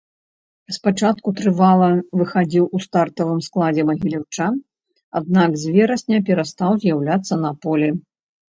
Спачатку трывала выхадзіў у стартавым складзе магіляўчан, аднак з верасня перастаў з'яўляцца на полі.